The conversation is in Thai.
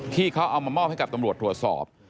ที่เขาเอามามอบให้กับตำรวจตรวจสอบ